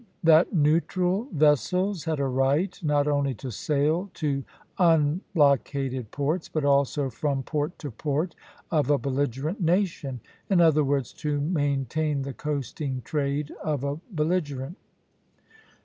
That neutral vessels had a right, not only to sail to unblockaded ports, but also from port to port of a belligerent nation; in other words, to maintain the coasting trade of a belligerent.